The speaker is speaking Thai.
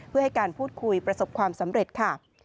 เพื่อให้การพูดคุยประสบความสำเร็จค่ะ